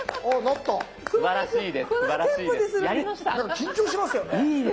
緊張しますよね。